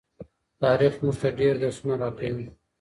تاریخ مونږ ته ډیر درسونه راکوي.